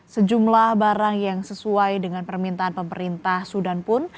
sejumlah barang yang sesuai dengan permintaan pemerintah sudan pun